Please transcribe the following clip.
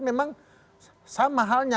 memang sama halnya